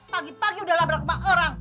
pagi udah labrak sama orang